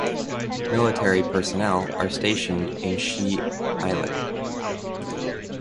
Military personnel are stationed on Shi Islet.